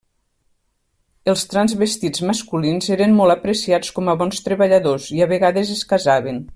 Els transvestits masculins eren molt apreciats com a bons treballadors, i a vegades es casaven.